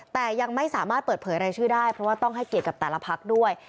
แต่ยังไม่สามารถเปิดเผยรายชื่อได้เพราะว่าต้องให้เกียรติกับแต่ละพักด้วย